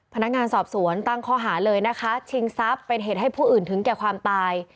พนักงานสอบสวนตั้งข้อหาเลยนะคะชิงทรัพย์เป็นเหตุให้ผู้อื่นถึงแก่ความตาย